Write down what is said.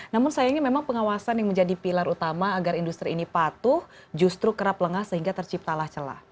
namun sayangnya memang pengawasan yang menjadi pilar utama agar industri ini patuh justru kerap lengah sehingga terciptalah celah